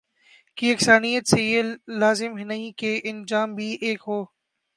کی یکسانیت سے یہ لازم نہیں کہ انجام بھی ایک ہو